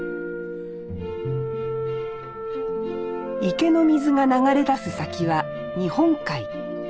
池の水が流れ出す先は日本海。